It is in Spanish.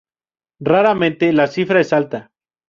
Raramente la cifra es alta.